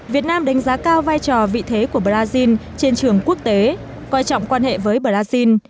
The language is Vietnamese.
việt nam đánh giá cao vai trò vị thế của brazil trên trường quốc tế coi trọng quan hệ với brazil